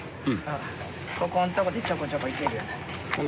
ここんとこちょこちょこいける。